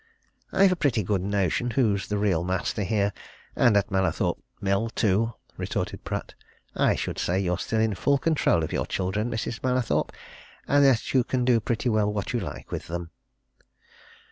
"I've a pretty good notion who's real master here and at Mallathorpe Mill, too," retorted Pratt. "I should say you're still in full control of your children, Mrs. Mallathorpe, and that you can do pretty well what you like with them."